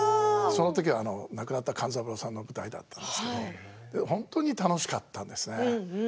そのときは亡くなった勘三郎さんの舞台だったんですけど本当に楽しかったんですね。